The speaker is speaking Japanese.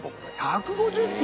１５０坪！